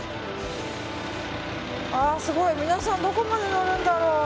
皆さん、どこまで乗るんだろう。